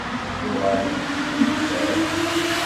Tuɣalemt d timexlal?